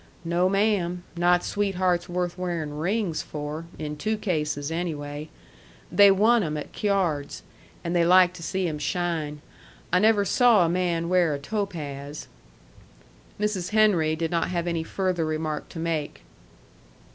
"No, ma'am. Not sweethearts worth wearin' rings for in two cases, anyway. They won 'em at cyards. And they like to see 'em shine. I never saw a man wear a topaz." Mrs. Henry did not have any further remark to make.